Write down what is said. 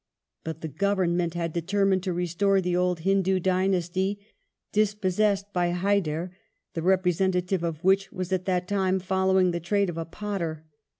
But the Government had determined to restore the old Hindoo dynasty dispossessed by Hyder, the representative of which was at that time following the trade of a potter.